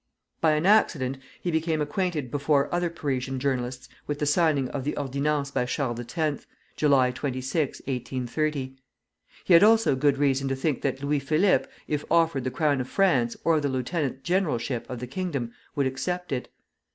By an accident he became acquainted before other Parisian journalists with the signing of the Ordinances by Charles X., July 26, 1830. He had also good reason to think that Louis Philippe, if offered the crown of France or the lieutenant generalship of the kingdom, would accept it.